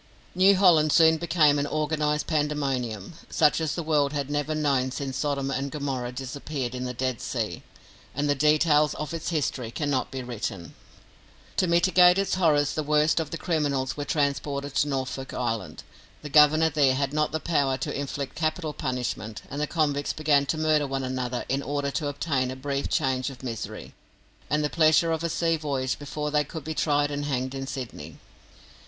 New Holland soon became an organised pandemonium, such as the world had never known since Sodom and Gomorrah disappeared in the Dead Sea, and the details of its history cannot be written. To mitigate its horrors the worst of the criminals were transported to Norfolk Island. The Governor there had not the power to inflict capital punishment, and the convicts began to murder one another in order to obtain a brief change of misery, and the pleasure of a sea voyage before they could be tried and hanged in Sydney.